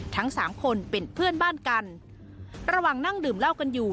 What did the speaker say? ทั้งสามคนเป็นเพื่อนบ้านกันระหว่างนั่งดื่มเหล้ากันอยู่